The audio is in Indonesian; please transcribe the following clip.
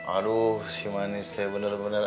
aduh si manis deh bener bener